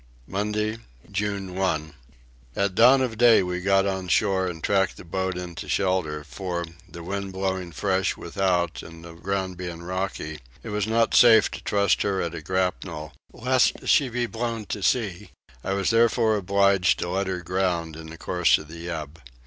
Monday June 1. At dawn of day we got on shore and tracked the boat into shelter for, the wind blowing fresh without and the ground being rocky, it was not safe to trust her at a grapnel lest she should be blown to sea: I was therefore obliged to let her ground in the course of the ebb.